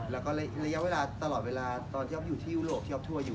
แล้วก็ระยะเวลาตลอดเวลาตอนที่ออฟอยู่ที่ยุโรปที่ออฟทัวร์อยู่